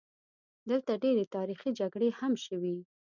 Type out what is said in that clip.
دلته ډېرې تاریخي جګړې هم شوي.